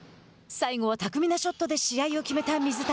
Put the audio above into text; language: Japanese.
最後は巧みなショットで試合を決めた水谷。